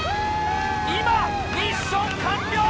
今ミッション完了！